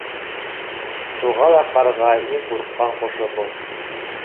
Шуға ла ҡарға иң ҡурҡҡан ҡошобоҙ.